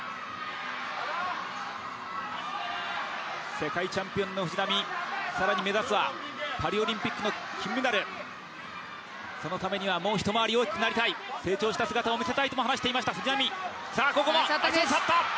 世界チャンピオンの藤波更に目指すはパリオリンピックの金メダルそのためには、もう一回り大きくなりたい、成長した姿を見せたいと話していました、藤波。